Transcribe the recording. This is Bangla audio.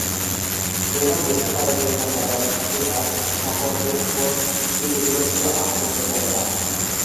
রেনা বুঝতে পারে যে, তার বাবার সঙ্গে তার সম্পর্কের "ফোন" স্মৃতিগুলো ছিল আত্মপ্রতারণা।